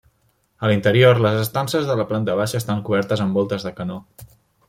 A l'interior, les estances de la planta baixa estan cobertes amb voltes de canó.